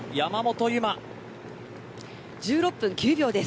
１６分９秒です。